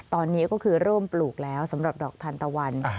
ตอนนี้ก็คือเริ่มปลูกแล้วสำหรับดอกทันตะวัน